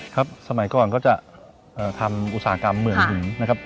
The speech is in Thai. สมัยก่อนก็จะทำอุตสาหกรรมเหมือนหินนะครับ